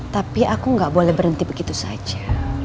tapi aku nggak boleh berhenti begitu saja